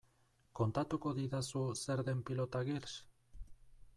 Kontatuko didazu zer den Pilota Girls?